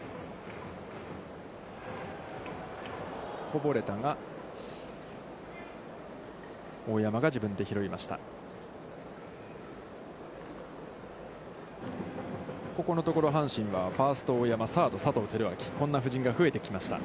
こぼれたが大山が自分で拾いました。